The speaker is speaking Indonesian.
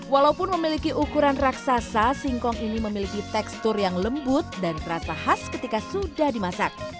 walaupun memiliki ukuran raksasa singkong ini memiliki tekstur yang lembut dan terasa khas ketika sudah dimasak